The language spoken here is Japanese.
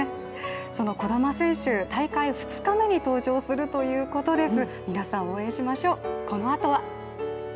その児玉選手大会２日目に登場するということです。